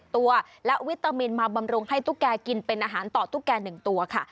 ตัวและวิตามินมาบำรุงให้ตุ๊กแกกินเป็นอาหารต่อตุ๊กแก่๑ตัวค่ะ